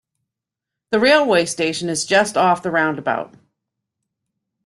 The railway station is just off the roundabout